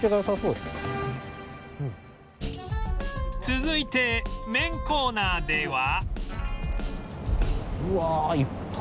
続いて麺コーナーでは